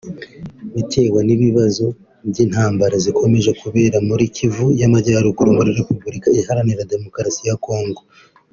bitewe n’ibibazo by’intambara zikomeje kubera muri Kivu y’Amajyaruguru muri Repubulika Iharanira Demokarasi ya Kongo